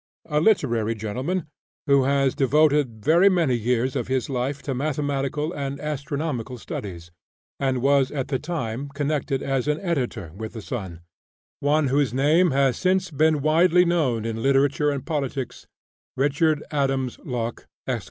A literary gentleman, who has devoted very many years of his life to mathematical and astronomical studies, and was at the time connected as an editor with the "Sun" one whose name has since been widely known in literature and politics Richard Adams Locke, Esq.